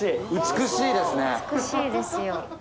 美しいですよ